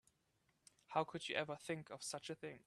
How could you ever think of such a thing?